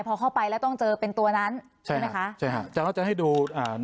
พอเข้าไปแล้วต้องเจอเป็นตัวนั้นใช่ไหมคะใช่ฮะแต่ว่าจะให้ดูอ่า